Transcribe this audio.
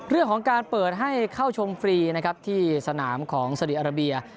เรื่องของการเปิดให้เข้าชมฟรีนะครับที่สนามของสดีอาราเบีย